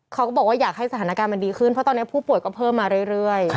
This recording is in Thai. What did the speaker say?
เขาก็บอกว่าอยากให้สถานการณ์มันดีขึ้นเพราะตอนนี้ผู้ป่วยก็เพิ่มมาเรื่อย